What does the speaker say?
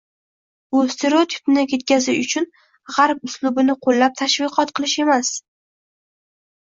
Bu stereotipni ketkazish uchun g‘arb uslubini qo‘llab tashviqot qilish emas